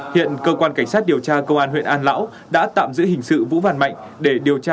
hiện cơ quan cảnh sát điều tra công an huyện an lão đã tạm giữ hình sự vũ vàn mạnh để điều tra xác minh mở rộng vụ án